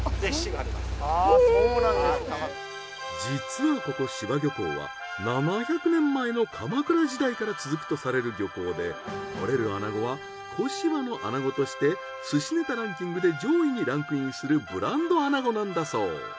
実はここ柴漁港は７００年前の鎌倉時代から続くとされる漁港で獲れるアナゴは小柴のアナゴとして寿司ネタランキングで上位にランクインするブランドアナゴなんだそう。